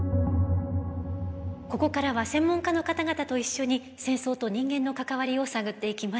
ここからは専門家の方々と一緒に戦争と人間の関わりを探っていきます。